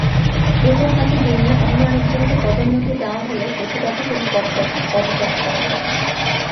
এরপর তাঁকে ডিঙিয়ে অন্য আরেকজনকে পদোন্নতি দেওয়া হলে প্রতিবাদে তিনি পদত্যাগ করেন।